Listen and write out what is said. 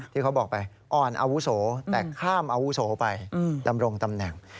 ที่เขาบอกไปอ่อนอาวุโสแต่ข้ามอาวุโสไปดำรงตำแหน่ง